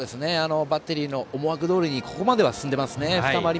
バッテリーの思惑どおりにここまでは進んでます。